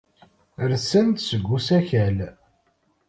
Rsen-d seg usakal.